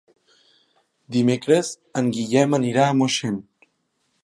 Dimecres en Guillem anirà a Moixent.